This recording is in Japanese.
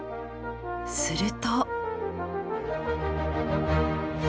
すると。